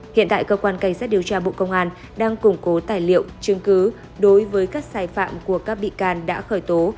hiện tại cơ quan cảnh sát điều tra bộ công an đang củng cố tài liệu chứng cứ đối với các sai phạm của các bị can đã khởi tố